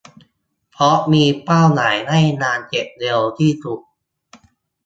เพราะมีเป้าหมายให้งานเสร็จเร็วที่สุด